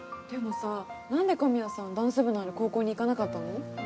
でもさ何で神谷さんダンス部のある高校に行かなかったの？